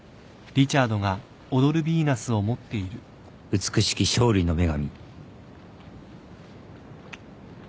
美しき勝利の女神。